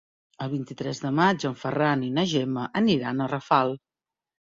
El vint-i-tres de maig en Ferran i na Gemma aniran a Rafal.